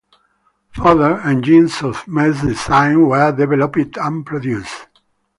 Further, engines of Metz' design were developed and produced.